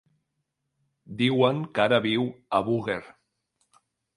Diuen que ara viu a Búger.